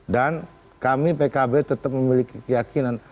dan kami pkb tetap memiliki keyakinan